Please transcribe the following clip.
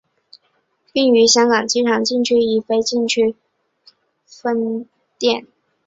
并于香港国际机场禁区及非禁区开设分店。